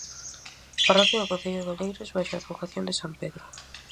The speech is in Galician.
Parroquia do concello de Oleiros baixo a advocación de san Pedro.